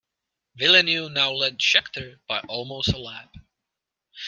Villeneuve now led Scheckter by almost a lap.